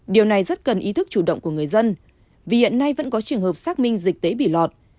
điều này rất cần ý thức chủ động của người dân vì hiện nay vẫn có trường hợp xác minh dịch tế bị lọt